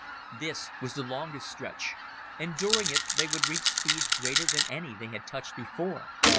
This was the longest stretch and during it, they would reach speeds greater than any they had touched before.